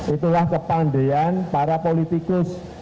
itulah kepandian para politikus